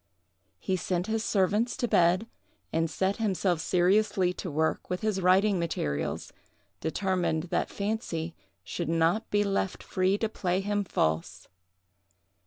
He sent his servants to bed, and set himself seriously to work with his writing materials, determined that fancy should not be left free to play him false.